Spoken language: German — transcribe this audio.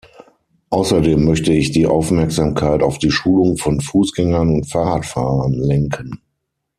Außerdem möchte ich die Aufmerksamkeit auf die Schulung von Fußgängern und Fahrradfahrern lenken.